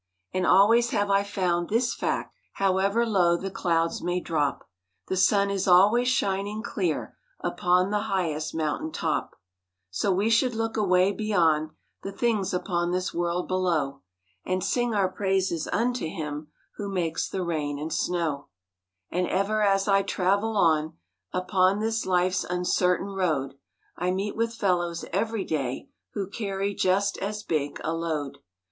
And always have I found this fact; However low the clouds may drop— The sun is always shining clear Upon the highest mountain top: So we should look away beyond The things upon this world below, And sing our praises unto Him Who makes the rain and snow: And ever as I travel on Upon this life's uncertain road, I meet with fellows every day Who carry just as big a load.